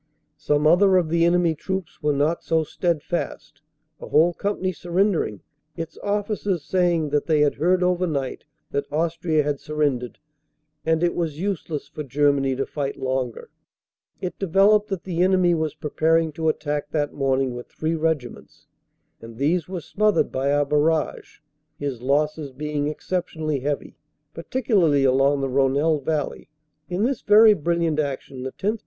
Some other of the enemy troops were not so steadfast, a whole company surrendering, its officers saying that they had heard over night that Austria had surrendered and it was use less for Germany to fight longer. It developed that the enemy was preparing to attack that morning with three regiments, and these were smothered by our barrage, his losses being exceptionally heavy, particularly along the Rhonelle valley. CAPTURE OF VALENCIENNES 365 In this very brilliant action the 10th.